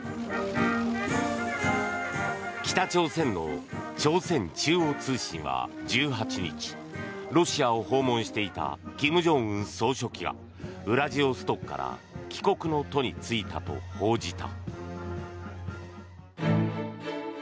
北朝鮮の朝鮮中央通信は１８日ロシアを訪問していた金正恩総書記がウラジオストクから帰国の途に就いたと報じた。